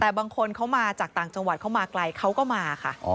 แต่บางคนเขามาจากต่างจังหวัดเขามาไกลเขาก็มาค่ะ